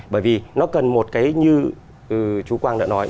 bởi vì nó cần một cái như chú quang đã nói